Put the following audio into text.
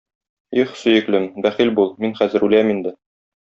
Их, сөеклем, бәхил бул, мин хәзер үләм инде.